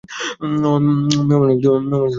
মেহমানের মত তাঁর বাড়িতে ওঠ।